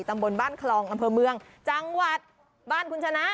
ตำบลบ้านคลองอำเภอเมืองจังหวัดบ้านคุณชนะ